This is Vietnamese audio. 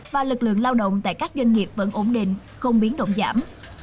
và lực lượng lao động tại các doanh nghiệp vẫn ổn định không biến động giảm